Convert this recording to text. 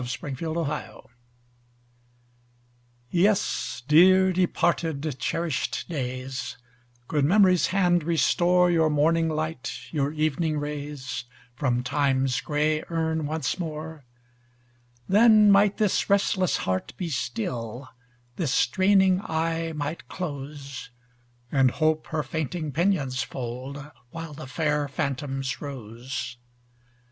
DEPARTED DAYS YES, dear departed, cherished days, Could Memory's hand restore Your morning light, your evening rays, From Time's gray urn once more, Then might this restless heart be still, This straining eye might close, And Hope her fainting pinions fold, While the fair phantoms rose.